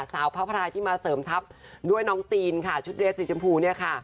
สาวพระพรายที่มาเสริมทัพด้วยน้องจีนค่ะชุดเรสสีชมพูเนี่ยค่ะ